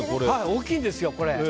大きいんですよ。